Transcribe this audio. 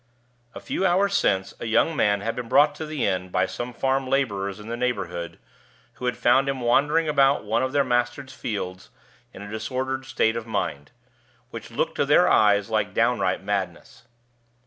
A few hours since a young man had been brought to the inn by some farm laborers in the neighborhood, who had found him wandering about one of their master's fields in a disordered state of mind, which looked to their eyes like downright madness.